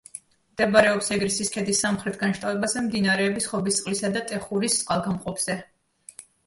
მდებარეობს ეგრისის ქედის სამხრეთ განშტოებაზე, მდინარეების ხობისწყლისა და ტეხურის წყალგამყოფზე.